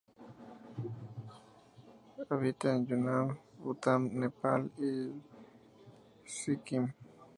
Habita en Yunnan, Bután, Nepal y Sikkim.